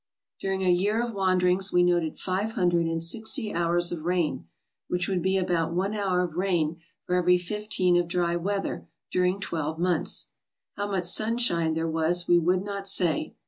During a year of wanderings we noted five hundred and sixty hours of rain, which would be about one hour of rain for every fifteen of dry weather during twelve months. How much sunshine there was we would not say.